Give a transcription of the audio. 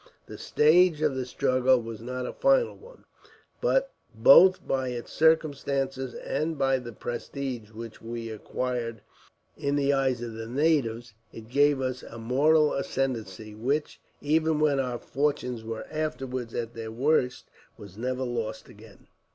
This stage of the struggle was not a final one; but both by its circumstances, and by the prestige which we acquired in the eyes of the natives, it gave us a moral ascendency which, even when our fortunes were afterwards at their worst, was never lost again.